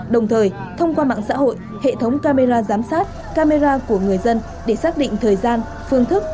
đồng thời thông qua mạng xã hội hệ thống camera giám sát camera của người dân để xác định thời gian phương thức